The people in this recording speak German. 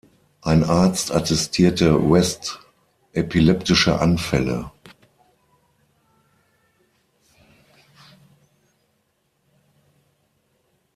Ein Arzt attestierte West epileptische Anfälle.